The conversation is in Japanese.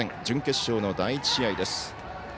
準決勝の第１試合です。